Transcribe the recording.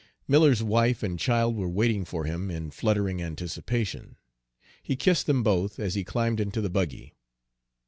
Miller's wife and child were waiting for him in fluttering anticipation. He kissed them both as he climbed into the buggy.